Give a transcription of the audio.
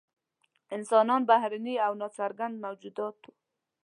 انسانان بهرني او نا څرګند موجودات وو.